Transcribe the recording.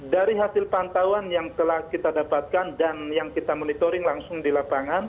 dari hasil pantauan yang telah kita dapatkan dan yang kita monitoring langsung di lapangan